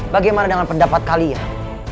bagaimana dengan pendapat kalian